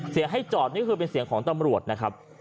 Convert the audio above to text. ให้จอดนี่คือเป็นเสียงของตำรวจนะครับ